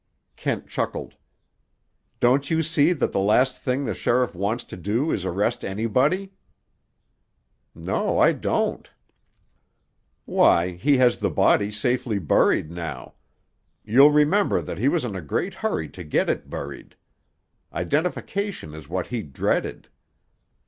Kent chuckled. "Don't you see that the last thing the sheriff wants to do is arrest anybody?" "No, I don't." "Why, he has the body safely buried, now. You'll remember that he was in a great hurry to get it buried. Identification is what he dreaded.